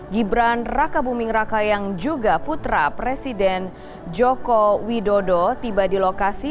gibran raka buming raka yang juga putra presiden joko widodo tiba di lokasi